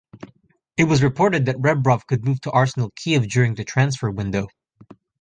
It was reported that Rebrov could move to Arsenal Kyiv during the transfer window.